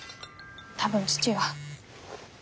多分父が。